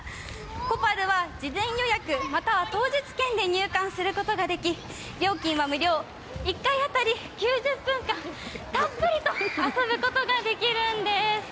コパルは事前予約、または当日券で入館することもでき、料金は無料、１回当たり９０分間たっぷりと遊ぶことができるんです。